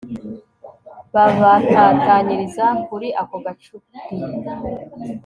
babatatanyiriza kuri ako gacuri